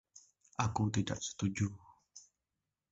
Aku tidak setuju.